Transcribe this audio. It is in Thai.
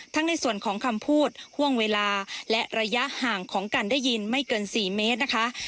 ในส่วนของคำพูดห่วงเวลาและระยะห่างของการได้ยินไม่เกิน๔เมตรนะคะ